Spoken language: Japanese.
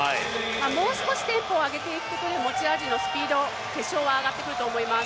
もう少しテンポを上げていくことで持ち味のスピード、決勝は上がってくると思います。